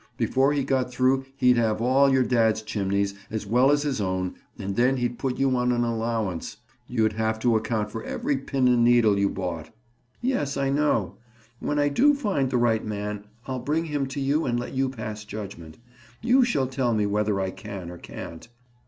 Before he got through he'd have all your dad's chimneys, as well as his own, and then he'd put you on an allowance. You'd have to account for every pin and needle you bought." "Yes; I know. When I do find the right man I'll bring him to you and let you pass in judgment. You shall tell me whether I can or can't."